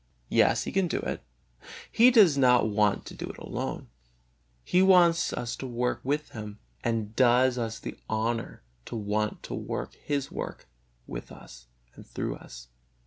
Yes, He can do it; but He does not want to do it alone; He wants us to work with Him, and does us the honor to want to work His work with us and through us.